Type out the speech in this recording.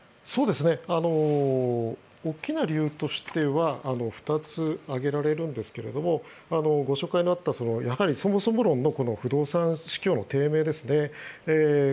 大きな理由としては２つ挙げられるんですけれどもご紹介のあったやはり、そもそも論の不動産市況の低迷ですね。